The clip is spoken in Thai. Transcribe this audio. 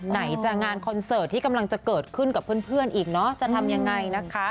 ไหนจะงานคอนเสิร์ตที่กำลังจะเกิดขึ้นกับเพื่อนอีกเนอะจะทำยังไงนะคะ